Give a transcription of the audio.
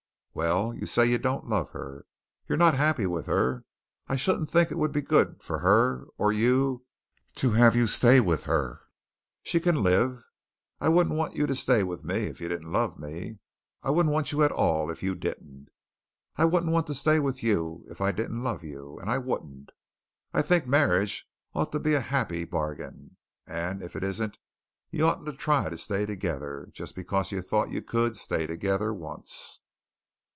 "Well, you say you don't love her. You're not happy with her. I shouldn't think it would be good for her or you to have you stay with her. She can live. I wouldn't want you to stay with me if you didn't love me. I wouldn't want you at all if you didn't. I wouldn't want to stay with you if I didn't love you, and I wouldn't. I think marriage ought to be a happy bargain, and if it isn't you oughtn't to try to stay together just because you thought you could stay together once."